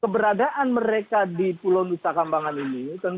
karena yaitu mereka yang terlibat dengan jaringan terorisme ini